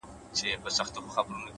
پوهه انسان آزادوي,